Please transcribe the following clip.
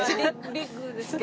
ビッグですけど。